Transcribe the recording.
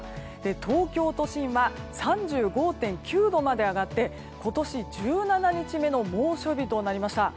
東京都心は３５．９度まで上がって今年１７日目の猛暑日となりました。